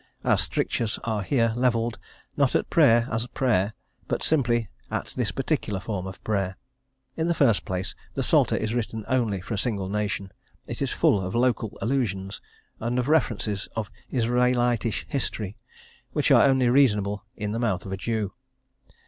Our strictures are here levelled, not at prayer as prayer, but simply at this particular form of prayer. In the first place the Psalter is written only for a single nation; it is full of local allusions, and of references of Israelitish history, which are only reasonable in the mouth of a Jew.